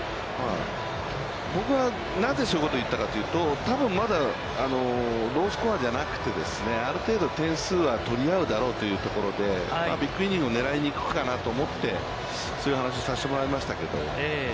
僕はなぜそういうことを言ったかというと、多分、まだロースコアじゃなくて、ある程度点数は取り合うだろうというところで、ビッグイニングを狙いに行くかなと思ってそういう話をさせてもらいましたけども。